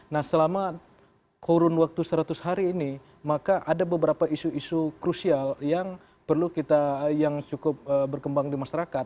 nah selama kurun waktu seratus hari ini maka ada beberapa isu isu krusial yang perlu kita yang cukup berkembang di masyarakat